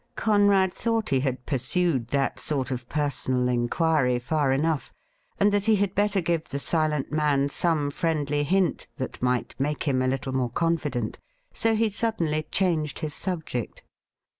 Conrad thought he had pursued that sort of personal inquiry far enough, and that he had better give the silent man some friendly hint that might make him a little more confident. So he suddenly changed his subject.